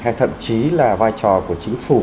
hay thậm chí là vai trò của chính phủ